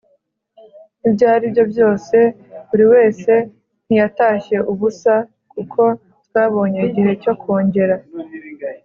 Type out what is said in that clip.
ibyo aribyo byose, buri wese ntiyatashye ubusa, kuko twabonye igihe cyo kongera